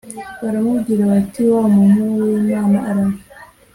baramubwira bati Wa muntu w Imana araje